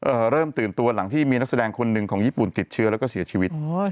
เริ่มตื่นตัวหลังที่มีนักแสดงคนหนึ่งของญี่ปุ่นติดเชื้อแล้วก็เสียชีวิตโอ้ย